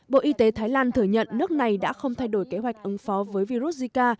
bộ y tế thái lan thừa nhận nước này đã không thay đổi kế hoạch ứng phó với virus zika